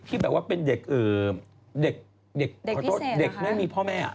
ที่เป็นเด็กไม่มีพ่อแม่